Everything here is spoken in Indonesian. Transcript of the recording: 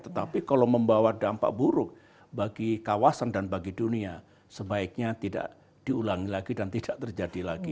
tetapi kalau membawa dampak buruk bagi kawasan dan bagi dunia sebaiknya tidak diulangi lagi dan tidak terjadi lagi